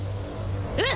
うん。